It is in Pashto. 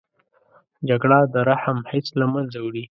جګړه د رحم حس له منځه وړي